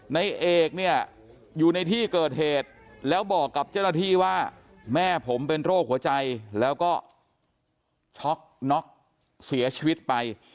ในเอกเนี่ยอยู่ในที่เกิดเหตุแล้วบอกกับเจ้าหน้าที่ว่าแม่ผมเป็นโรคหัวใจแล้วก็ช็อกน็อกเสียชีวิตไป